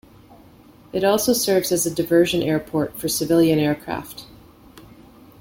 It also serves as a diversion airport for civilian aircraft.